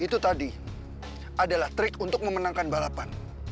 itu tadi adalah trik untuk memenangkan balapan